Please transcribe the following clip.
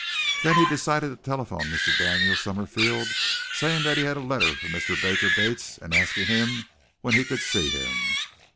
Then he decided to telephone Mr. Daniel Summerfield, saying that he had a letter from Mr. Baker Bates and asking when he could see him.